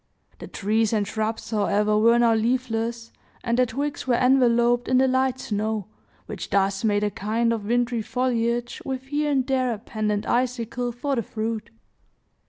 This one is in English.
The trees and shrubs, however, were now leafless, and their twigs were enveloped in the light snow, which thus made a kind of wintry foliage, with here and there a pendent icicle for the fruit.